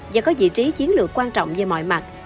và có vị trí chiến lược quan trọng về mọi mặt